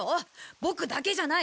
ボクだけじゃない！